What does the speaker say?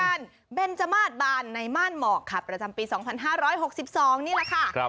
ไปงานเทศกาลเบนจมาสบานในมารหมอกประจำปี๒๕๖๒นี่แหละค่ะ